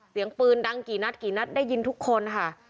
เสียงปืนดังกี่นัดกี่นัดได้ยินทุกคนค่ะ